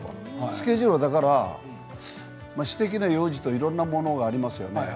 スケジュールは、私的な用事とかいろいろなものがありますね。